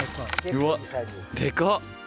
うわっ、でか。